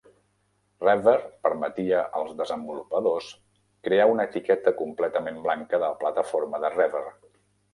Revver permetia als desenvolupadors crear una etiqueta completament blanca de la plataforma de Revver.